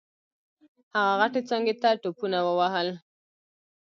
هغه غټې څانګې ته ټوپونه ووهل.